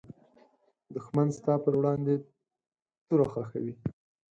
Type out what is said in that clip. دښمن ستا پر وړاندې توره خښوي